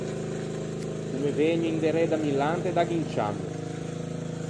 Comme vëgno inderê da Milan te daggo un ciammo.